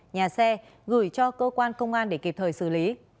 nhà xe gửi cho cơ quan công an để kịp thời